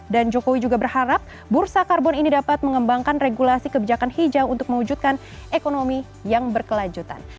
dan jokowi juga berharap bursa karbon ini dapat mengembangkan regulasi kebijakan hijau untuk mewujudkan ekonomi yang berkelanjutan